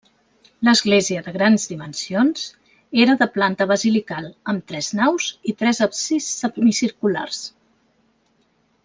L'església, de grans dimensions, era de planta basilical, amb tres naus i tres absis semicirculars.